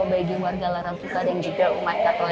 bagi warga larang tuka dan juga